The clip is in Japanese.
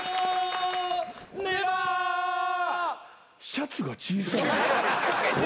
シャツが小さい。